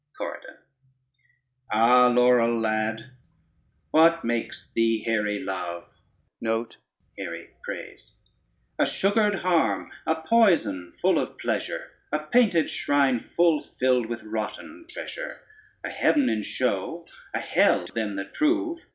CORYDON Ah, lorrel lad, what makes thee hery love? A sugared harm, a poison full of pleasure, A painted shrine full filled with rotten treasure; A heaven in show, a hell to them that prove.